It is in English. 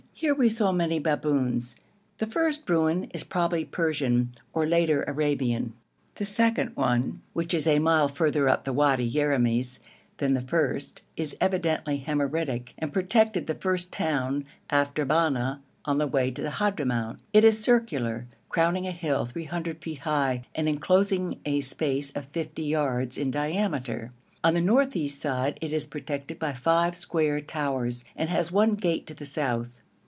Here we saw many baboons. The first ruin is probably Persian or later Arabian. The second one, which is a mile further up the Wadi Yeramis than the first, is evidently Himyaritic, and protected the first town after Banna on the way to the Hadhramout. It is circular, crowning a hill 300 feet high, and enclosing a space of 50 yards in diameter. On the north east side it is protected by five square towers, and has one gate to the south.